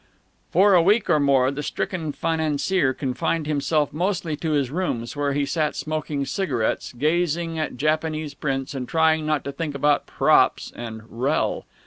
For a week or more the stricken financier confined himself mostly to his rooms, where he sat smoking cigarettes, gazing at Japanese prints, and trying not to think about "props" and "rehl."